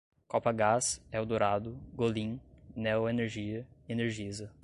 Copagaz, Eldorado, Golin, Neoenergia, Energisa